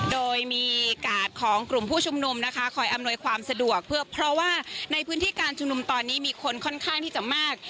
โดยมีกาดของกลุ่มผู้ชุมนุมนะคะคอยอำนวยความสะดวกเพื่อเพราะว่าในพื้นที่การชุมนุมตอนนี้มีคนค่อนข้างที่จะมาก